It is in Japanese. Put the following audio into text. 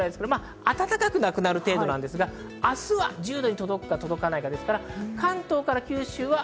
暖かくなくなる程度ですが、明日は１０度に届くか届かないか。